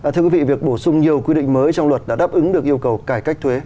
thưa quý vị việc bổ sung nhiều quy định mới trong luật đã đáp ứng được yêu cầu cải cách thuế